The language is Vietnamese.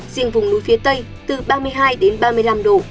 riêng vùng núi phía tây từ ba mươi hai đến ba mươi năm độ